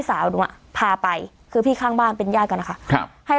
สาวหนูอ่ะพาไปคือพี่ข้างบ้านเป็นญาติกันนะคะครับให้